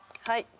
はい。